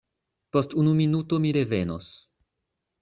Post unu minuto mi revenos.